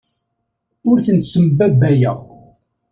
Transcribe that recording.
Ur tent-ssembabbayeɣ.